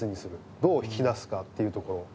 どう引き出すかっていうところ。